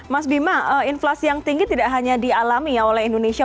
mas bima inflasi yang tinggi tidak hanya dialami ya oleh indonesia